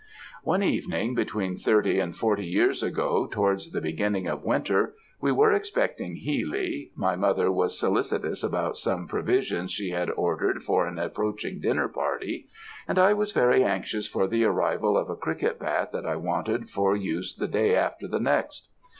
"One evening, between thirty and forty years ago, towards the beginning of winter, we were expecting Healy my mother was solicitous about some provisions she had ordered for an approaching dinner party; and I was very anxious for the arrival of a cricket bat that I wanted for use the day after the next.